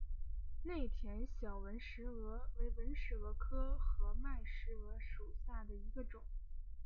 内田小纹石蛾为纹石蛾科合脉石蛾属下的一个种。